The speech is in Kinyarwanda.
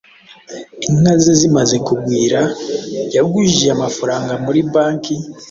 Inka ze zimaze kugwira, yagujije amafaranga muri banki,